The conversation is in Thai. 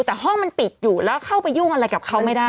แต่ห้องมันปิดอยู่แล้วเข้าไปยุ่งอะไรกับเขาไม่ได้